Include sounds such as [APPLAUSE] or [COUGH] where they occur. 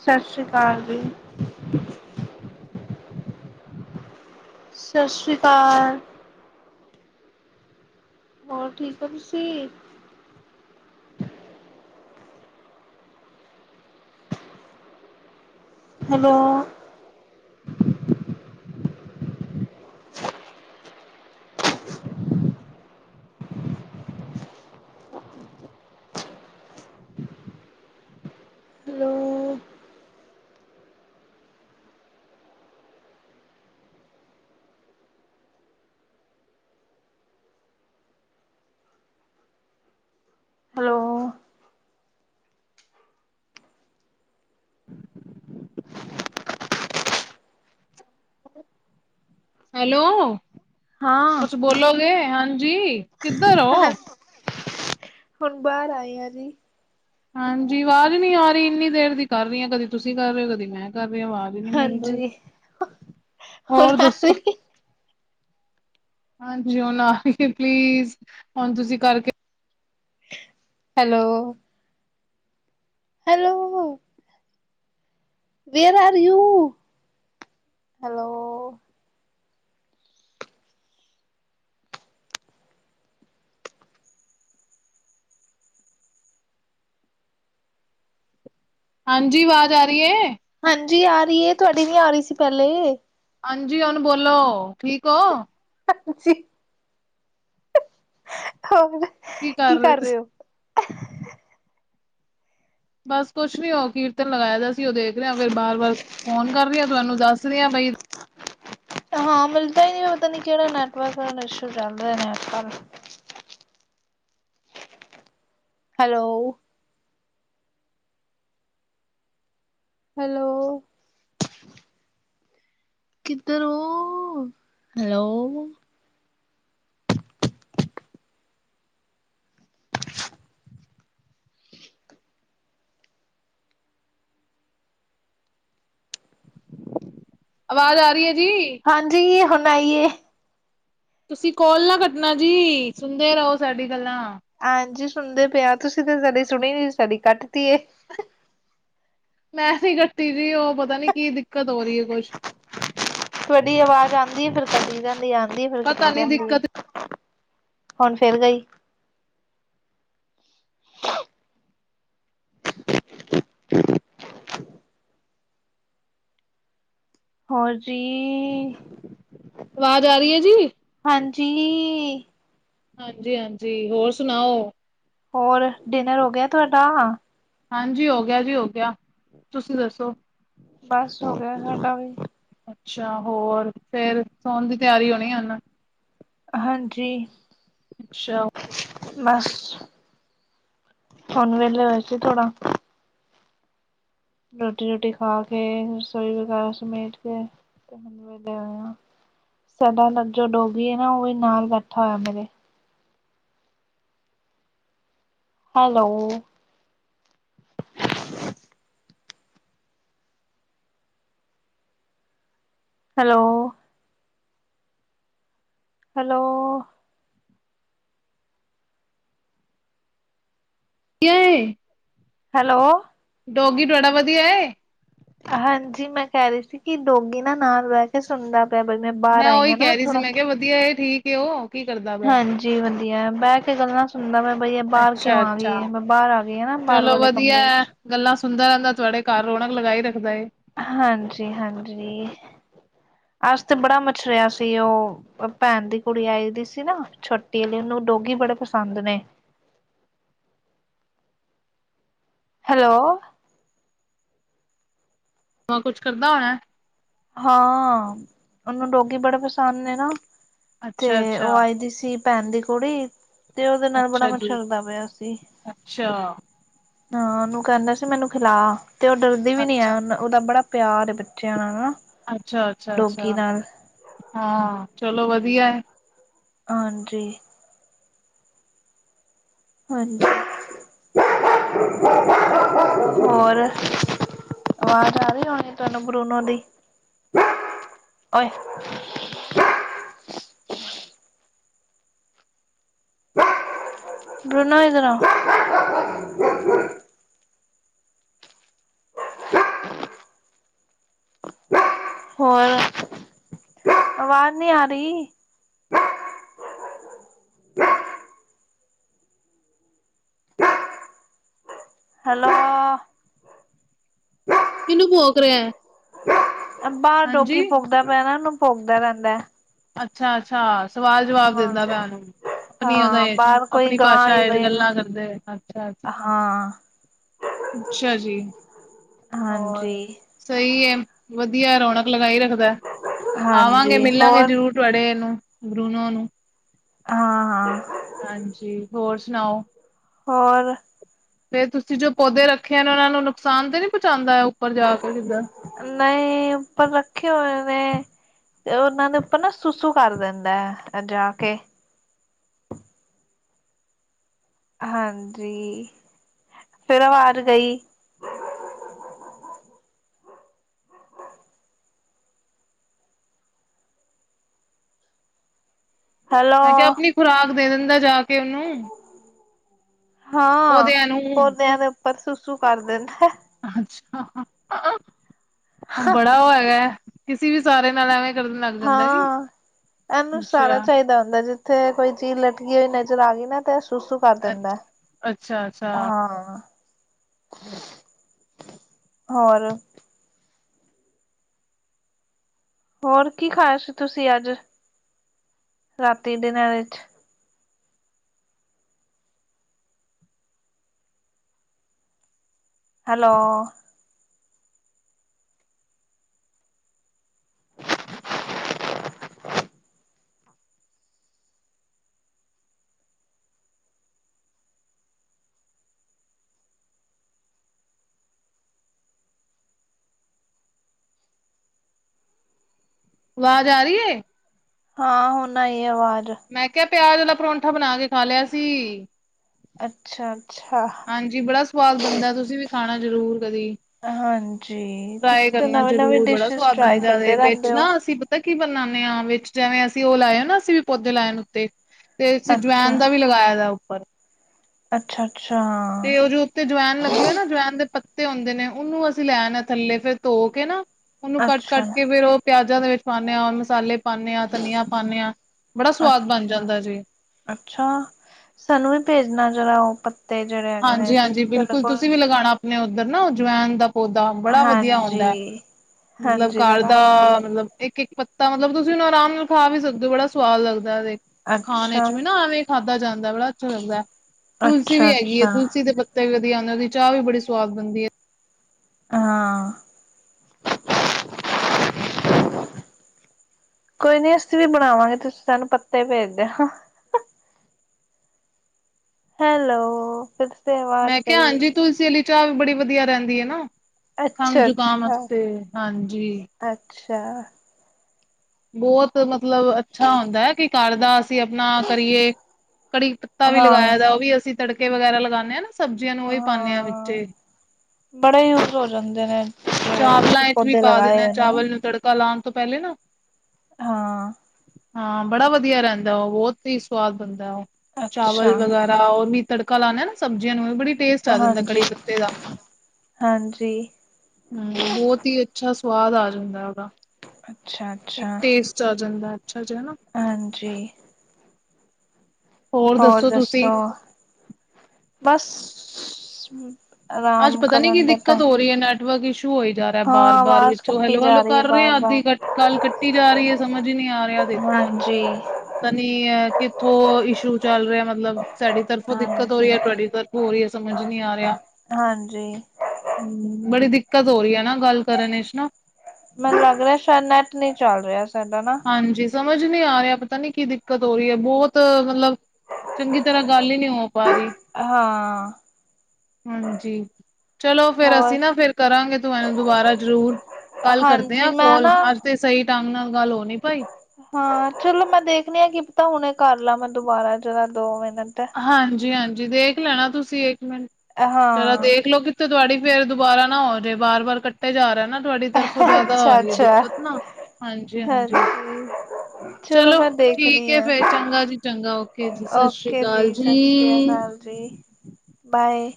ਸਤਿ ਸ੍ਰੀ ਅਕਾਲ ਜੀ। [INAUDIBLE] ਸਤਿ ਸ਼੍ਰੀ ਅਕਾਲ। ਹੋਰ ਠੀਕ ਓ ਤੁਸੀਂ? ਹੈਲੋ। ਹੈਲੋ। ਹੈਲੋ। ਹੈਲੋ, ਹਾਂ। ਕੁਛ ਬੋਲ ਬੋਲੋਗੇ ਹਾਂਜੀ। ਕਿੱਧਰ ਹੋ? ਹੁਣ ਬਾਹਰ ਆਏ ਆ ਜੀ। ਹਾਂਜੀ, ਆਵਾਜ਼ ਨਹੀ ਆ ਰਹੀ, ਇੰਨੀ ਦੇਰ ਦੀ ਕਰ ਰਹੀ ਹ ਕਦੀ ਤੁਸੀਂ ਕਰ ਰਹੇ ਹੋ, ਕਦੀ ਮੈਂ ਕਰ ਰਹਾ ਆਵਾਜ਼। ਨਹੀਂ ਮਿਲ ਰ, ਹਾਂਜੀ, ਹੁਣ ਹੋਰ ਆ ਦੱਸੋ? ਰਹੀ ਹਾਂਜੀ, ਹੁਣ ਆ ਰਹੀ ਪਲੀਜ਼ ਹੁਣ ਤੁਸੀਂ ਕਰਕੇ hello. Hello. Where are you? Hello. ਹਾਂਜੀ, ਆਵਾਜ਼ ਆ ਰਹੀ ਹੈ? ਹਾਂਜੀ, ਆ ਰਹੀ ਹੈ, ਤੁਹਾਡੀ ਨੀ ਆ ਰਹੀ ਸੀ ਪਹਿਲੇ। ਹਾਂਜੀ, ਉਹ ਬੋਲੋ ਠੀਕ ਹੋ? ਹਾਂਜੀ, ਹੋਰ? ਕੀ ਕਰ ਰਹੇ ਤੁਸੀਂ? ਬਸ ਕੁਛ ਨੀ ਉਹ ਕੀਰਤਨ ਲਗਾਇਆ ਦਾ ਸੀ, ਉਹ ਦੇਖ ਰਹੇਾਂ ਫਿਰ ਬਾਰ ਵਾਰ ਫੋਨ ਕਰ ਰਹੀ, ਹ ਤੁਹਾਨੂੰ ਦੱਸ ਦੱਸਦੀ ਆ ਬਈ। ਹਾਂ ਮਿਲਦਾ ਹੀ ਨਹੀਂ ਪਤਾ ਨੀ ਕਿਹੜਾ ਨੈਟਵਰਕ ਇਸ਼ੂ ਚੱਲਦਾ ਨੇ ਅੱਜ- ਕੱਲ ਹੈਲੋ। ਹੈਲੋ। ਕਿੱਧਰ ਹੋ? [INAUDIBLE] ਆਵਾਜ਼ ਆ ਰਹੀ ਹੈ ਜੀ ਹਾਂਜੀ ਹੁਣ ਆਈ ਏ ਤੁਸੀਂ ਕੋਲ ਨਾ ਕੱਟਨਾ ਜੀ ਸੁਣਦੇ ਰਹੋ ਸਾਡੀ ਗੱਲਾਂ ਹਾਂਜੀ ਸੁਣਦੇ ਪਏ ਆ ਤੁਸੀਂ ਤਾਂ ਸਾਡੀ ਸੁਣੀ ਨਹੀਂ ਸਾਡੀ ਕੱਟਤੀ ਏ ਮੈਂ ਨੀ ਕੱਟੀ ਜੀ ਉਹ ਪਤਾ ਨੀ ਕੀ ਦਿੱਕਤ ਹੋ ਰਹੀ ਹੈ ਕੁੱਛ ਤੁਹਾਡੀ ਆਵਾਜ਼ ਆਉਂਦੀ ਫਿਰ ਕੱਟੀ ਜਾਂਦੀ ਆਉਂਦੀ ਫਿਰ ਪਤਾ ਕਟੀ ਨੀ ਜਾਂਦੀ ਏ ਦਿੱਕਤ ਹੁਣ ਫਿਰ ਗਈ ਹੋਰ ਜੀ ਵਾਜ਼ ਆ ਰਹੀ ਹੈ ਜੀ ਹਾਂਜੀ ਹਾਂਜੀ ਹਾਂਜੀ ਹੋਰ ਸੁਣਾਓ ਹੋਰ ਡਿਨਰ ਹੋ ਗਿਆ ਤੁਆਡਾ ਹਾਂਜੀ ਹੋ ਗਿਆ ਜੀ ਹੋ ਗਿਆ ਤੁਸੀਂ ਦੱਸੋ ਬਸ ਹੋ ਗਿਆ ਸਾਡਾ ਵੀ ਅੱਛਾ ਹੋਰ ਫੇਰ ਸੋਣ ਦੀ ਤਿਆਰੀ ਹੋਣੀ ਹੁਨ ਹਾਂਜੀ ਅੱਛਾ ਬਸ ਹੁਣ ਵੇਲੇ ਹੋਏ ਸੀ ਥੋੜਾ ਰੋਟੀ ਰੂਟੀ ਖਾ ਕੇ ਰਸੋਈ ਵਗੈਰਾ ਸਮੇਟ ਕੇ ਵੇਲੇ ਹੋਏ ਆ ਸਾਡਾ ਜੋ ਡੋਗੀ ਹੈ ਨਾ ਉਹ ਵੀ ਨਾਲ ਬੈਠਾ ਹੋਇਆ ਮੇਰੇ ਹੈਲੋ ਹੈਲੋ ਹੈਲੋ ਕਿਆ ਏ [UNINTELLIGIBLE] ਹੈਲੋ ਡੋਗੀ ਤੁਹਾਡਾ ਵਧੀਆ ਏ ਹਾਂਜੀ ਮੈਂ ਕਹਿ ਰਹੀ ਸੀ ਕਿ ਡੋਗੀ ਨਾ ਨਾਲ ਬਹਿ ਕੇ ਸੁਣਦਾਂ ਮੈਂ ਬਾਹਰ ਆਈ ਉਹੀ ਹਾਂ ਨਾ ਕਹਿ ਰਹੀ ਸੀ ਥੋੜਾ ਮੈਂ ਕਿਹਾ ਵਧੀਆ ਏ ਠੀਕ ਏ ਉਹ ਕੀ ਕਰਦਾ ਪਿਆ ਹਾਂਜੀ ਵਧੀਆ ਬਹਿ ਕੇ ਗੱਲਾਂ ਸੁਣਦਾ ਸੁਣਦਾ ਮੈਂ ਬਈ ਬਾਹਰ ਅੱਛਾ ਕਿਉਂ ਆ ਅੱਛਾ ਗਈ ਹੈ ਮੈਂ ਬਾਹਰ ਆ ਗਈ ਨਾ ਬਾਹਰ ਚਲੋ ਵਾਲੇ ਕਂਮਰੇ ਵਧੀਆ ਐ ਗੱਲਾਂ ਸੁਣਦਾ ਰਹਿੰਦਾ ਤੁਹਾਡੇ ਘਰ ਰੌਣਕ ਲਗਾਈ ਰੱਖਦਾ ਏ ਹਾਂਜੀ ਹਾਂਜੀ ਅੱਜ ਤੇ ਬੜਾ ਮਛਰਿਆ ਸੀ ਉਹ ਭੈਣ ਦੀ ਕੁੜੀ ਆਈ ਦੀ ਸੀ ਨਾ ਛੋਟੀ ਵਾਲੀ ਉਹਨੂੰ ਡੋਗੀ ਬੜੇ ਪਸੰਦ ਨੇ ਹੈਲੋ ਹੋਰ ਕੁੱਛ ਕਰਦਾ ਹੋਣਾ ਹਾਂ ਉਹਨੂੰ ਡੋਗੀ ਬੜੇ ਪਸੰਦ ਨੇ ਨਾ ਤੇ ਅੱਛਾ ਉਹ ਅੱਛਾ ਆਈ ਦੀ ਸੀ ਭੈਣ ਦੀ ਕੁੜੀ ਤੇ ਉਹਦੇ ਨਾਲ ਬੜਾ ਅੱਛਾ ਜੀ ਮਛਰਦਾ ਪਿਆ ਸੀ ਅੱਛਾ ਹਾਂ ਉਹਨੂੰ ਕਹਿੰਦਾ ਸੀ ਮੈਨੂੰ ਖਿਲਾ ਤੇ ਉਹ ਡਰਦੀ ਵੀ ਨੀ ਆ ਅੱਛਾ ਉਹਨੂੰ ਉਹਦਾ ਬੜਾ ਪਿਆਰ ਹੈ ਬੱਚਿਆਂ ਨਾਲ ਨਾ ਅੱਛਾ ਅੱਛਾ ਡੋਗੀ ਅੱਛਾ ਨਾਲ ਹਾਂ ਚਲੋ ਵਧੀਆ ਐ ਹਾਂਜੀ ਹਾਂਜੀ ਹੋਰ [UNINTELLIGIBLE] ਆਵਾਜ਼ ਆ ਰਹੀ ਹੋਣੀ ਤੁਹਾਨੂੰ ਬਰੂਨੋ ਦੀ ਬਰੂਨੋ ਇਧਰ ਆ [UNINTELLIGIBLE] ਹੋਰ, ਆਵਾਜ਼ ਨੀ ਆ ਰਹੀ। ਹੈਲੋ ਕਿਨੂੰ ਭੋਕ ਰਿਹੈ? ਬਾਹਰ ਡੋਗੀ ਭੋਂਕਦਾ ਪਿਆ ਨਾ, ਉਹਨੂੰ ਭੋਂਕਦਾ ਰਹਿੰਦੈ। ਅੱਛਾ- ਅੱਛਾ, ਸਵਾਲ ਜਵਾਬ ਹਾਂ ਦੇਂਦਾ ਪਿਐ ਉਹਨੂੰ ਆਪਣੀ ਅਦਾ, ਹਾਂ ਬਾਹਰ ਕੋਈ ਆਪਣੀ ਗਾਂ ਭਾਸ਼ਾ, ਆਏ ਹੋਏ ਆ ਗੱਲਾਂ ਕਰਦੇ ਪਏ, ਅੱਛਾ- ਅੱਛਾ ਹਾਂ ਅੱਛਾ ਜੀ, ਹੋਰ ਹਾਂਜੀ ਸਹੀ ਐ, ਵਦੀਆ, ਰੌਣਕ ਲਗਾਈ ਰੱਖਦਾ, ਆਵਾਂਗੇ ਹਾਂਜੀ ਮਿਲਾਂਗੇ। ਹੋਰ ਫੂਟ ਵਡੇ ਨੂੰ, ਬ੍ਰੂਨੋ ਨੂੰ ਹਾਂ ਹਾਂ ਹਾਂਜੀ, ਹੋਰ ਸੁਣਾਓ। ਹੋਰ ਫੇਰ, ਤੁਸੀਂ ਜੋ ਪੌਦੇ ਰੱਖੇ ਨੇ, ਉਹਨਾਂ ਨੂੰ ਨੁਕਸਾਨ ਤੇ ਨਹੀਂ ਪਹੁੰਚਾਦਾ, ਉੱਪਰ ਜਾ ਕੇ ਕਿੱਧਰ? ਨਈਂ, ਉਪਰ ਰੱਖੇ ਹੋਏ ਨੇ ਤੇ ਉਹਨਾਂ ਦੇ ਉੱਪਰ ਨਾ, ਸੁਸੂ ਕਰ ਦਿੰਦਾ ਇੱਥੇ ਆ ਕੇ ਹਾਂਜੀ, ਫਿਰ ਆਵਾਜ਼ ਗਈ। ਹੈਲੋ ਮੈਂ ਕਿਹਾ, ਆਪਣੀ ਖੁਰਾਕ ਦੇ ਦਿੰਦਾ ਜਾ ਕੇ ਉਨੂੰ। ਹਾਂ, ਨੂੰ। ਪੌਦਿਆਂ ਦੇ ਉੱਪਰ ਸੁਸੂ ਕਰ ਦਿੰਦਾ। ਅੱਛਾ, ਬੜਾ ਉਹ ਹੈਗਾ, ਕਿਸੀ ਵੀ ਸਾਰੇ ਨਾਲ ਐਵੇਂ ਕਰਨ ਲੱਗ ਜਾਂਦਾ ਕਿ ਹਾਂ, ਐਨੂੰ ਸਾਰਾ ਅੱਛਾ, ਚਾਹੀਦੈ ਹੁੰਦੈ ਜੇ ਤੇ ਕੋਈ ਚੀਜ਼ ਲਟਕੀ ਹੋਈ ਨਜ਼ਰ ਆ ਗਈ ਨਾ, ਤੇ ਸੂਸੂ ਕਰ ਦਿੰਦਾ ਅੱਛਾ, ਅੱਛਾ, ਅੱਛਾ ਹਾਂ। ਹੋਰ ਹੋਰ, ਕੀ ਖਾਇਆ ਸੀ ਤੁਸੀਂ ਅੱਜ ਰਾਤੀ ਡਿਨਰ ਚ? ਹੈਲੋ [UNINTELLIGIBLE] ਆਵਾਜ਼ ਆ ਰਹੀ ਏ। ਹਾਂ, ਹੁਨ ਆਈ ਆਵਾਜ਼। ਮੈਂ ਕਿਹਾ, ਪਿਆਜ ਆਲਾ ਪਰੌਂਠਾ ਬਣਾ ਕੇ ਖਾ ਲਿਆ ਸੀ। ਅੱਛਾ ਅੱਛਾ ਹਾਂਜੀ, ਬੜਾ ਸਵਾਦ ਬਨੰਦਾ, ਤੁਸੀਂ ਵੀ ਖਾਣਾ ਜਰੂਰ ਕਦੀ। ਹਾਂਜੀ ਟਰਾਏ ਤੁਸੀਂ ਤੇ ਕਰਨਾ ਨਵੇਂ ਨਵੇਂ ਜਰੂਰ, ਬੜਾ ਡਿਸ਼ਿਸ ਸਵਾਦ ਟਰਾਈ ਬਣਦਾ ਜੇ ਕਰਦੇ ਵਿੱਚ ਰਹਿੰਦੇ ਨਾ ਹੋ ਅਸੀਂ ਤਾਂ ਕੀ ਬਨਾਨੇ ਆ, ਵਿੱਚ ਜੈਵੇਂ ਅਸੀਂ ਉਹ ਲਾਏ ਨਾ, ਅਸੀਂ ਵੀ ਪੌਦੇ ਲੈਨ ਉੱਤੇ ਤੇ, ਅਸੀਂ ਅੱਛਾ ਜਵੈਨ ਦਾ ਵੀ ਲਗਾਇਐ ਦਾ ਉੱਪਰ। ਅੱਛਾ -ਅੱਛਾ ਤੇ ਉਹ ਜੋ ਉੱਤੇ ਜਵੈਨ ਲੱਗੇ ਹੋਏ ਨਾ, ਜਵੈਨ ਦੇ ਪ ਤੇ ਆਂਦੇ ਨੇ, ਉਹਨੂੰ ਅਸੀਂ ਲੈ ਆਨੇ ਆ ਥੱਲੇ, ਫਿਰ ਧੋ ਕੇ ਨਾ, ਉਹਨੂੰ ਕੱਟ- ਅੱਛਾ ਕੱਟ ਕੇ ਫਿਰ ਉਹ ਪਿਆਜਾਂ ਦੇ ਵਿੱਚ ਪਾਨੇਂ ਆ, ਮਸਾਲੇ ਪਾਨੇਂ ਆ, ਧਨੀਆ ਪਾਨੇ ਆ, ਬੜਾ ਸਵਾਦ ਬਣ ਅੱਛਾ ਜਾਂਦਾ ਸੀ। ਅੱਛਾ, ਸਾਨੂੰ ਵੀ ਭੇਜਨਾ ਜੇਹੜਾ ਓਹੋ ਪੱਤੇ, ਜਿਹੜੇ ਹੈਗੇ ਨੇ, ਤੁਹਾਡੇ ਕੋਲ ਨੇ, ਔਧਰ ਨਾ ਜਵੈਨ ਦਾ ਪੌਦਾ, ਬੜਾ ਵਧੀਆ ਹੁੰਦਾ, ਹਾਂਜੀ ਮਤਲਬ ਹਾਂਜੀ ਘਰ ਦਾ ਲਗਾਵਾਂਗੇ ਮਤਲਬ ਇੱਕ - ਇੱਕ ਪੱਤਾ, ਮਤਲਬ ਤੁਸੀਂ ਉਹਨੂੰ ਆਰਾਮ ਨਾਲ ਖਾ ਵੀ ਸਕਦੇ ਓ, ਬੜਾ ਸਵਾਦ ਲੱਗਦਾ ਵੇ। ਖਾਣ ਅੱਛਾ 'ਚ ਵੀ ਨਾ, ਐਵੇਂ ਖਾਧਾ ਜਾਂਦਾ, ਬੜਾ ਅੱਛਾ ਲੱਗਦਾ ਤੁਲਸੀ ਅੱਛਾ ਵੀ ਹੈਗੀ ਏ। ਅੱਛਾ 'ਤੇ ਪੱਤੇ ਵੀ ਵਧੀਆਂ ਆਂਦੇ, ਉਹਦੀ ਚਾਹ ਵੀ ਬੜੀ ਸਵਾਦ ਬਨਦੀ ਏ। ਹਾਂ [INAUDIBLE] ਕੋਈ ਨੀ, ਅਸੀਂ ਵੀ ਬਣਾਵਾਂਗੇ। ਤੁਸੀਂ ਸਾਨੂੰ ਪੱਤੇ ਭੇਜ ਦੇਓ। ਹੈਲੋ। ਫਿਰ ਸੇ ਆਵਾਜ਼ ਮੈਂ ਕਿਹਾ ਗਈ ਹਾਂਜੀ, ਤੁਲਸੀ ਆਲੀ ਚਾਹ ਵੀ ਬੜੀ ਵਧੀਆ ਰਹਿੰਦੀ ਏ ਨਾ, ਅੱਛਾ ਖੰਘ-ਜੁਕਾਮ ਅੱਛਾ। ਵਾਸਤੇ। ਹਾਂਜੀ। ਅੱਛਾ। ਬੋਤ ਮਤਲਬ ਅ ਛਾ ਹੁੰਦੈ ਕਿ ਘਰ ਦਾ ਅਸੀਂ ਆਪਣਾ ਕਰੀਏ, ਕੜੀ ਪੱਤਾ ਵੀ ਹਾਂ ਲਗਾਇਆ ਦਾ ਉਹ ਵੀ ਅਸੀਂ ਤੜਕੇ ਵਗੈਰਾ ਲਗਾਨੇ ਆ ਨਾ ਸਬਜ਼ੀਆਂ ਨੂੰ, ਉਹੀ ਪਾਨੇਆ ਹਾਂ। ਵਿੱਚੇ ਈ ਬੜੇ ਯੂਸ ਹੋ ਜਾਂਦੇ ਨੇ। ਚਾਵਲਾਂ ਤੁਸੀਂ ਇਚ ਵੀ ਪੌਦੇ ਪਾ ਲਗਾਏ ਦੀਨੇ ਆ, ਹੋਏ ਨੇ ਨਾ। ਚਾਵਲ ਨੂੰ ਤੜਕਾ ਲਾਣ ਤੋਂ ਪੈਲੇ ਨਾ ਹਾਂ। ਹਾਂ, ਬੜਾ ਵਧੀਆ ਰੈਹਦੈ ਓ, ਬੋਤ ਈ ਸਵਾਦ ਬਨਦੇ ਓ‌। ਚਾਵਲ ਅੱਛਾ ਵਗੈਰਾ ਅ ਓ ਨੀ ਤੜਕਾ ਲਾਨੇ ਆ ਨਾ ਸਬਜ਼ੀਆਂ ਨੂੰ ਵੀ ਬੜੀ ਟੇਸਟ ਆ ਜਾਂਦਾ ਕੜੀ ਪੱਤੇ ਦਾ ਹਾਂਜੀ-ਹਾਂਜੀ‌। ਹਮ ਬੋਤ ਹੀ ਅੱਛਾ ਸਵਾਦ ਆ ਜਾਂਦਾ ਓਦਾ। ਅੱਛਾ ਇੱਕ ਅੱਛਾ ਟੇਸਟ ਚਲ ਜਾਂਦਾ, ਅੱਛਾ [UNINTELLIGIBLE] ਹਾਂਜੀ। ਹੋਰ ਦੱਸੋ? ਬਸ ਅੱਜ ਆਰਾਮ ਪਤਾ ਨੀ ਕੀ ਕਰਨ ਦਾ ਦਿੱਕਤ ਟਾਈਮ ਹੋ ਰਹੀ ਹੈ, ਨੈਟਵਕ ਇਸ਼ੂ ਨੂੰ ਹੋਈ ਜਾ ਰਿਹਾ ਹਾਂ ਬਾਰ-ਬਾਰ। ਆਵਾਜ਼ ਵਿੱਚੋਂ ਕੱਟੀ ਹੈਲੋ ਜਾ ਹਲੋ ਰਹੀ ਹੈ ਕਰ ਰਹੇ ਬਾਰ ਆ, ਅੱਧੀ ਬਾਰ ਕ ਕਾਲ ਕੱਟੀ ਜਾ ਰਹੀ ਹੈ ਸਮਝ ਹੀ ਨਹੀਂ ਆ ਰਿਹਾ, ਦੇ ਹਾਂਜੀ। ਪਤਾ ਨੀ ੲੈ ਕਿੱਥੋਂ ਇਸ਼ੂ ਚੱਲ ਰਿਹਾ, ਮਤਲਬ ਸਾਡੀ ਤਰਫੋਂ ਦਿੱਕਤ ਹੋ ਹਾਂਜੀ ਰਹੀ ਹੈ, ਤੁਹਾਡੀ ਤਰ ਹੋ ਰਹੀ ਹੈ, ਸਮਝ ਨੀ ਆ ਰਿਹਾ ਹਾਂਜੀ। ਹਮ ਬੜੀ ਦਿੱਕਤ ਹੋ ਰਹੀ ਹੈ ਨਾ, ਗੱਲ ਕਰਨ ਵਿਚ ਨਾ ਮੈਨੂੰ ਲੱਗ ਰਿਹੈ ਸੈ਼ਇਦ ਨੈਟ ਨਹੀਂ ਚੱਲ ਰਿਹਾ ਸਾਡਾ ਨਾ ਹਾਂਜੀ, ਸਮਝ ਨੀ ਆ ਰਿਆ ਪਤਾ ਨੀ ਕੀ ਦਿੱਕਤ ਹੋ ਰੀ ਐ। ਬੌਤ ਮਤਲਬ ਚੰਗੀ ਤਰ੍ਹਾਂ ਗੱਲ ਹੀ ਨੀ ਹੋ ਪਾ ਰੀ। ਅ ਹਾਂ। ਹਾਂਜੀ। ਚਲੋ ਫੇਰ ਅਸੀਂ ਹੋਰ ਨਾ ਫੇਰ ਕਰਾਂਗੇ ਤੁਹਾਨੂੰ ਦੁਬਾਰਾ ਜ਼ਰੂਰ। ਕੱਲ ਕਰਦੇ ਹਾਂਜੀ ਆ ਮੈਂ ਕੋਲ, ਨਾ ਅੱਜ ਤੇ ਸਹੀ ਢੰਗ ਨਾਲ ਗੱਲ ਹੋ ਨੀ ਪਾਈ। ਹਾਂ, ਚਲੋ ਮੈਂ ਦੇਖਣੀ ਆਂ ਕਿ ਪਤਾ ਹੁਣੇ ਕਰ ਲਾ ਮੈਂ ਦੁਬਾਰਾ ਜਰਾ ਦੋ ਮਿਨਟ। ਹਾਂਜੀ-ਹਾਂਜੀ। ਦੇਖ ਲੈਣਾ ਤੁਸੀਂ ਇੱਕ ਮਿੰਟ, ਜਰਾ ਹਾਂ ਦੇਖਲੋ ਕਿਥ ਤੇ ਤੁਆਡੀ ਫੇਰ ਦੁਬਾਰਾ ਨਾ ਹੋ ਜੇ। ਬਾਰ ਵਾਰ ਕੱਟ ਤੇ ਜਾ ਰੈ ਨਾ ਤੁਆਡੀ ਤਰਫੋਂ ਜੈਦਾ ਆ ਅੱਛਾ ਰੀ ਏ ਅੱਛਾ ਦਿੱਕਤ ਨਾ, ਹਾਂਜੀ-ਹਾਂਜੀ। ਹਾਂਜੀ ਚਲੋ। ਮੈਂ ਠੀਕ ਦੇਖਦੀ ਏ, ਹਾਂ ਫੇਰ ਚੰਗਾ ਜੀ ਚੰਗਾ। ਓਕੇ ਜੀ। ਸਤ ਸ਼੍ਰੀ ਓਕੇ ਜੀ। ਸਤ ਸ੍ਰੀ ਅਕਾਲ ਜੀ। ਬਾਏ।